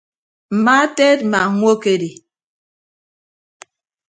Mma teedma ñwokedi.